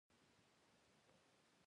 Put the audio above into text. شاته پاتې خلک د خپلې وړتیا ثبوت کوي.